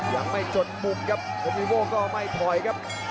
อย่างไม่จดมุกครับอภิวัตรก็ไม่ถอยครับ